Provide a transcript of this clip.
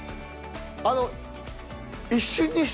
あの。